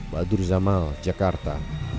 badur zamal jakarta